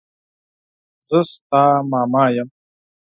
زه ستا ماما يم.